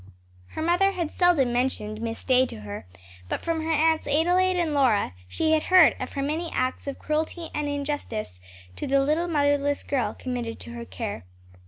Her mother had seldom mentioned Miss Day to her, but from her Aunts Adelaide and Lora she had heard of her many acts of cruelty and injustice to the little motherless girl committed to her care.